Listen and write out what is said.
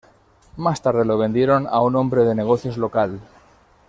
Más tarde lo vendieron a un hombre de negocios local.